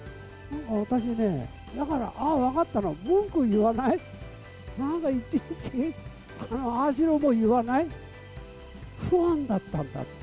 私ね、だから、ああ、分かったの、文句言わない、なんかいちいちああしろも言わない、ファンだったんだって。